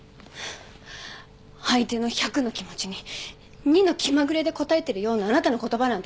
相手の１００の気持ちに２の気まぐれで答えてるようなあなたの言葉なんて伝えないから。